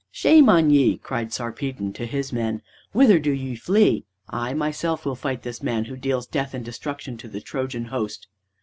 "Shame on ye!" cried Sarpedon to his men, "whither do ye flee? I myself will fight this man who deals death and destruction to the Trojan host."